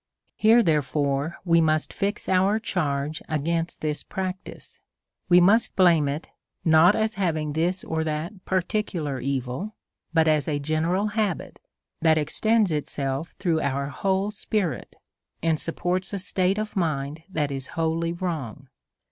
170 A SERIOUS CALL TO A Here, therefore, we must fix our charge against this practice ; we must blame it, not as having this or that particular evil, but as a general habit that extends itself through our whole spirit, and supports a state of mind that is wholly wrong.